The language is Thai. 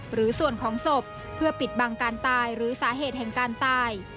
หรือส่วนของศพเพื่อปิดบังการตายหรือสาเหตุแห่งการตาย